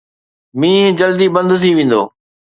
مينهن جلدي بند ٿي ويندو.